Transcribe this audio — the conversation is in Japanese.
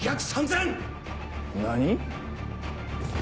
何？